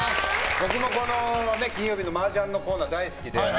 金曜のマージャンのコーナー大好きで。